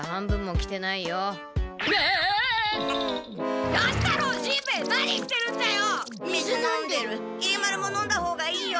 きり丸も飲んだ方がいいよ。